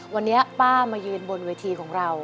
วันนี้ป้ามายืนบนเวทีของเรา